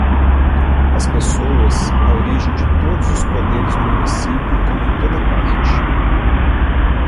As pessoas, a origem de todos os poderes no município como em toda parte.